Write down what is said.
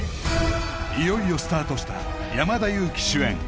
いよいよスタートした山田裕貴主演